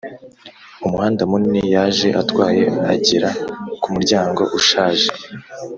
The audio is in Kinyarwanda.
umuhanda munini yaje atwaye, agera kumuryango ushaje.